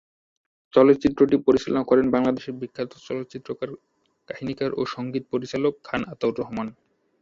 চলচ্চিত্রটি পরিচালনা করেন বাংলাদেশের বিখ্যাত চলচ্চিত্রকার, কাহিনীকার ও সঙ্গীত পরিচালক খান আতাউর রহমান।